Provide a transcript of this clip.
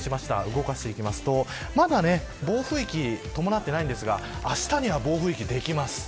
動かしていきますとまだ暴風域伴っていないんですがあしたには暴風域に届きます。